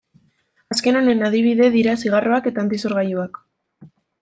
Azken honen adibide dira zigarroak edo antisorgailuak.